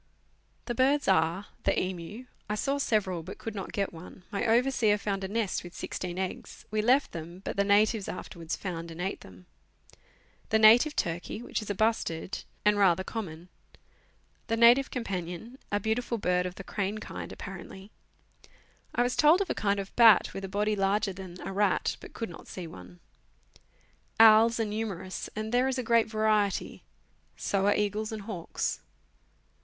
The birds are : The emu (I saw several but coiild not get one ; my overseer found a nest with sixteen eggs ; we left them, but the natives afterwards found and ate them); the native turkey, which is a bustard, and rather Letters from Victorian Pioneers. 279 common; the native companion, a beautiful bird of the crane kind apparently. I was told of a kind of bat, with a body larger than a rat, "but could not see one. Owls are numerous, and there is a great variety; so are eagles and hawks.